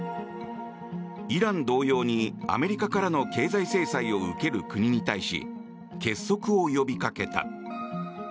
イラン同様にアメリカからの経済制裁を受ける国に対し結束を呼び掛けた。